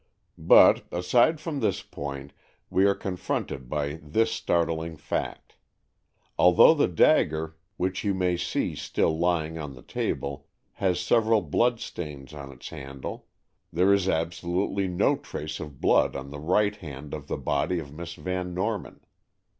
"But, aside from this point, we are confronted by this startling fact. Although the dagger, which you may see still lying on the table, has several blood stains on its handle, there is absolutely no trace of blood on the right hand of the body of Miss Van Norman.